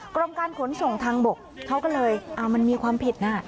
กรมการขนส่งทางบกเขาก็เลยมันมีความผิดนะ